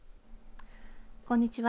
こんにちは。